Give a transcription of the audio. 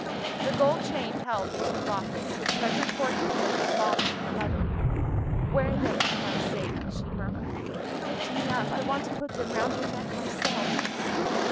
The gold chain held the two lockets the treasured portraits of her father and her mother. "Wear them for my sake," she murmured. "Lift me up; I want to put them round your neck myself."